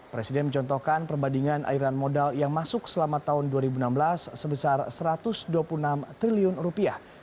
presiden mencontohkan perbandingan aliran modal yang masuk selama tahun dua ribu enam belas sebesar satu ratus dua puluh enam triliun rupiah